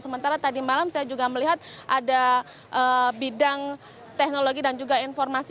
sementara tadi malam saya juga melihat ada bidang teknologi dan juga informasi